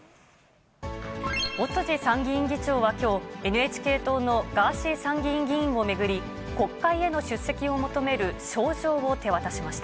尾辻参議院議長はきょう、ＮＨＫ党のガーシー参議院議員を巡り、国会への出席を求める招状を手渡しました。